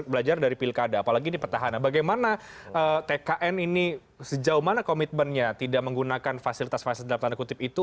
belajar dari pilkada apalagi ini petahana bagaimana tkn ini sejauh mana komitmennya tidak menggunakan fasilitas fasilitas dalam tanda kutip itu